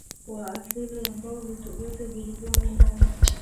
wa asili ambao vitu vyote vilivyomo ndani